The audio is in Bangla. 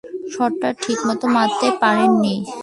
শটটা ঠিকমত মারতে পারেননি!